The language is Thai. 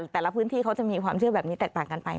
แต่ละพื้นที่เขาจะมีความเชื่อแบบนี้แตกต่างกันไป